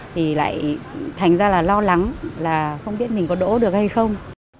thì lại thành ra là lo lắng là không biết mình có đỗ được hay không